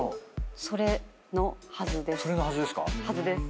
それのはずです。